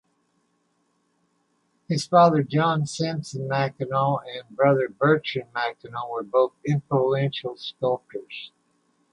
His father John Simpson Mackennal and brother Bertram Mackennal were both influential sculptors.